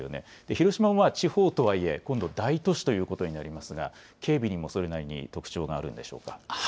広島は地方とはいえ、今度大都市ということになりますが、警備にもそれなりに特徴があるんでしょうか。